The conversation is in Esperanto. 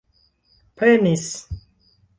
prenis